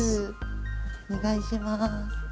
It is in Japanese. お願いします。